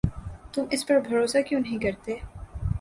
تم اس پر بھروسہ کیوں نہیں کرتے؟